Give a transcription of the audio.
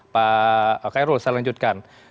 pak khairul saya lanjutkan